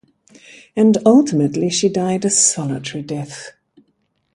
And ultimately, she died a solitary death.